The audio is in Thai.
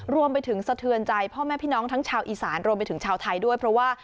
สะเทือนใจพ่อแม่พี่น้องทั้งชาวอีสานรวมไปถึงชาวไทยด้วยเพราะว่า